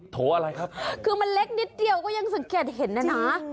โถอะไรครับคือมันเล็กนิดเดียวก็ยังสังเกตเห็นนะนะ